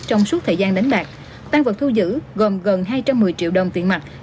trong suốt thời gian đánh bạc tan vật thu giữ gồm gần hai trăm một mươi triệu đồng tiền mặt